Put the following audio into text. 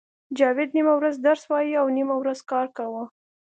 جاوید نیمه ورځ درس وایه او نیمه ورځ کار کاوه